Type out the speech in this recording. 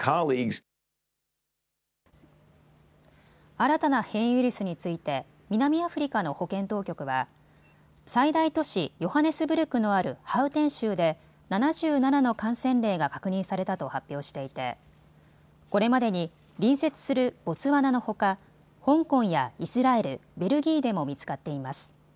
新たな変異ウイルスについて南アフリカの保健当局は最大都市ヨハネスブルクのあるハウテン州で７７の感染例が確認されたと発表していてこれまでに隣接するボツワナのほか香港やイスラエル、ベルギーでも見つかっています。